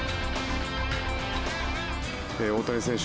大谷選手